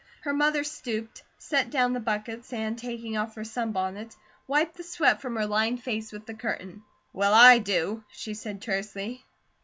Her mother stooped, set down the buckets, and taking off her sunbonnet, wiped the sweat from her lined face with the curtain. "Well, I do," she said tersely.